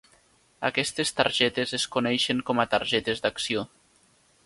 Aquestes targetes es coneixen com a "targetes d'acció".